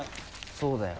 そうだよ。